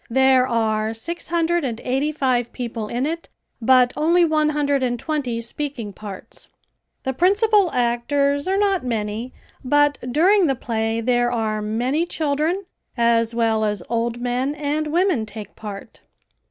There are six hundred and eighty five people in it, but only one hundred and twenty speaking parts. The principal actors are not many, but during the play there are many children as well as old men and women take part.